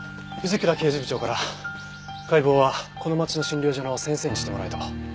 藤倉刑事部長から解剖はこの町の診療所の先生にしてもらえと。